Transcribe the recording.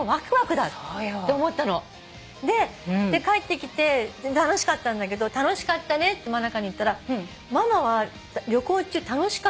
で帰ってきて楽しかったんだけど楽しかったねって真香に言ったらママは旅行中楽しかったって言わなかったよって言ったの。